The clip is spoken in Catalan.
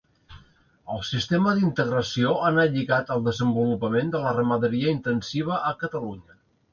El sistema d'integració ha anat lligat al desenvolupament de la ramaderia intensiva a Catalunya.